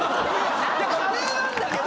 カレーなんだけど。